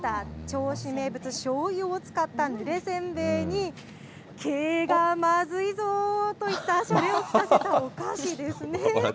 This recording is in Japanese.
銚子名物、しょうゆを使ったぬれせんべいに、経営がまずいぞといったしゃれをきかせたお菓子ですね。